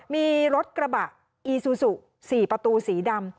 มีรถกระบะอีซูซู๔ประตูสีดำ